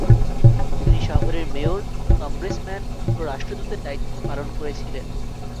তিনি শহরের mayor, congressman ও রাষ্ট্রদূতের দ্বায়িত্ব পালন করেছিলেন।